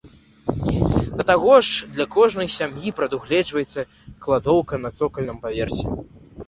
Да таго ж для кожнай сям'і прадугледжвалася кладоўка на цокальным паверсе.